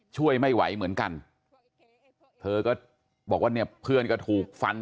ช่วยไม่ไหวเหมือนกันเธอก็บอกว่าเนี่ยเพื่อนก็ถูกฟัน